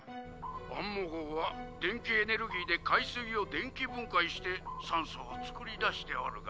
「アンモ号は電気エネルギーで海水を電気分解して酸素を作り出しておるが」。